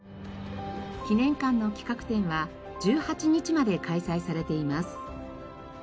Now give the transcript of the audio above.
記念館の企画展は１８日まで開催されています。